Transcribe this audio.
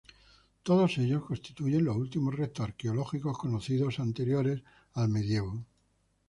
Todos ellos constituyen los últimos restos arqueológicos, conocidos anteriores al Medievo.